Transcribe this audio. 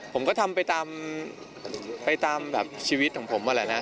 ผมก็ทำไปตามชีวิตของผมแหละนะ